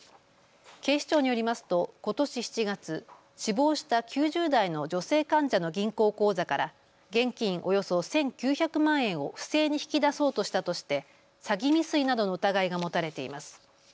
警視庁によりますとことし７月、死亡した９０代の女性患者の銀行口座から現金およそ１９００万円を不正に引き出そうとしたとして詐欺未遂などの疑いが持たれています。